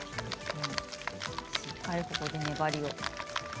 ここで粘りを。